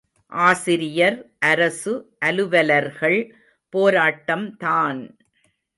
ஆசிரியர், அரசு அலுவலர்கள் போராட்டம் தான்!